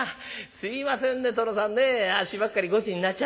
すいませんね殿さんねあっしばっかりごちになっちゃって。